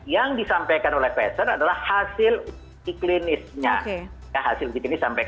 yang disampaikan oleh pfizer adalah hasil iklinisnya